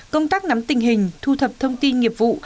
công tác nắm tình hình thu thập thông tin nghiệp vụ